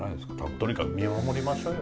とにかく見守りましょうよ。